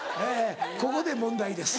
ここで問題です